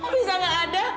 kok bisa gak ada